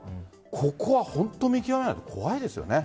ここは本当に見極めないと怖いですね。